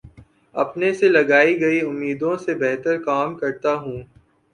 اپنے سے لگائی گئی امیدوں سے بہترکام کرتا ہوں